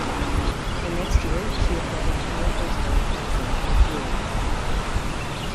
The next year, she appeared in Oliver Stone's "Nixon" as Julie Nixon.